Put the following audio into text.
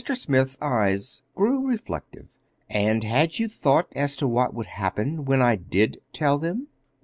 Smith's eyes grew reflective. "And had you thought—as to what would happen when I did tell them?"